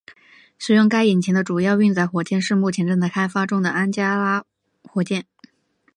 使用该引擎的主要运载火箭是目前正在开发中的安加拉火箭。